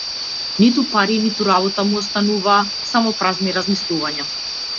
Ниту пари ниту работа му остануваа само празни размислувања.